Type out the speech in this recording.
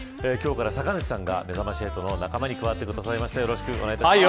今日から酒主さんがめざまし８の仲間に加わってくださいました。